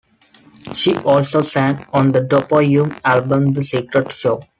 She also sang on the Dopo Yume album "The Secret Show".